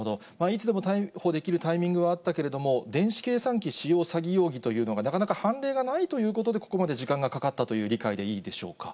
いつでも逮捕できるタイミングはあったけれども、電子計算機使用詐欺容疑というのが、なかなか判例がないということで、ここまで時間がかかったという理解でいいでしょうか。